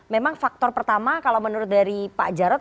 memang faktor pertama kalau menurut dari pak jarod